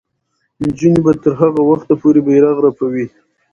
نجونې به تر هغه وخته پورې بیرغ رپوي.